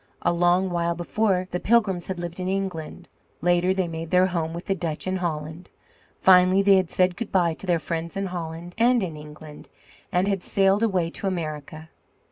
A long while before, the Pilgrims had lived in England; later they made their home with the Dutch in Holland; finally they had said goodbye to their friends in Holland and in England, and had sailed away to America.